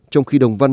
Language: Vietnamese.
trong khi đồng văn